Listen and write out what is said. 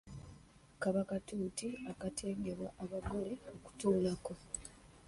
Kaba katuuti akategebwa abagole okutuulako.